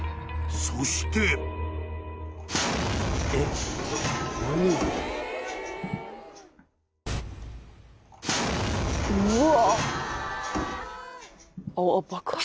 ［そして］うわ。